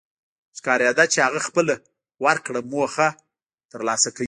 ښکارېده چې هغه خپله ورکړه موخه تر لاسه کوي.